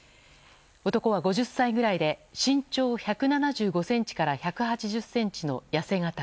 男は５０歳ぐらいで身長１７５ｃｍから１８０ｃｍの痩せ形。